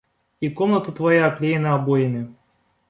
И комната твоя оклеена обоями.